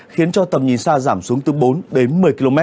khiến cho tầm nhìn xa giảm xuống từ bốn đến một mươi km